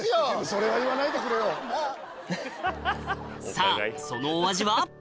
さぁそのお味は？